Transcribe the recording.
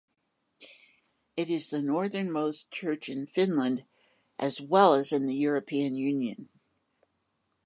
It is the northernmost church in Finland as well as in the European Union.